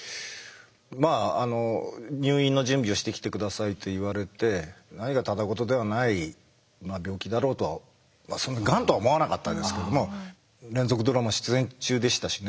まああの「入院の準備をしてきて下さい」と言われて何かただ事ではない病気だろうとはがんとは思わなかったですけども連続ドラマ出演中でしたしね。